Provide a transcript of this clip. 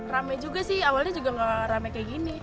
rame juga sih awalnya juga gak rame kayak gini